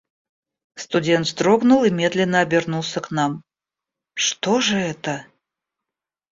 Студент вздрогнул и медленно обернулся к нам: — Что же это?